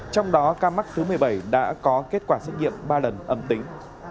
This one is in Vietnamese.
trong đó ca mắc thứ một mươi bảy đã có kết quả xét nghiệm ba lần âm tính